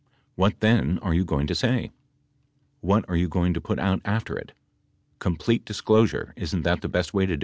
What then are you going to say ? What are you going to put out after it. Complete disclosure, isn't that the best way to do it